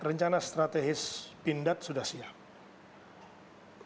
rencana strategis pindad sudah siap